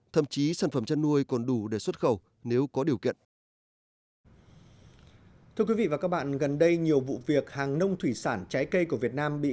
thậm chí sản phẩm chăn nuôi còn đủ để xuất khẩu nếu có điều kiện